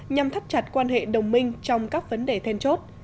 nhằm thắt chặt quan hệ đồng minh trong các vấn đề then chốt